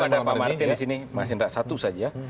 ada pak martin di sini mas indra satu saja